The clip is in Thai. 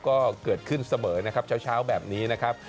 ก็เกิดขึ้นเสมอนะครับเช้าแบบนี้นะครับ